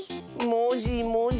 もじもじ。